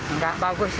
enggak bagus ini